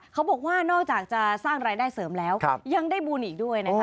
เขาบอกว่านอกจากจะสร้างรายได้เสริมแล้วยังได้บุญอีกด้วยนะคะ